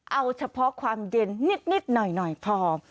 เอาเฉพาะความเย็นนิดหน่อยพอ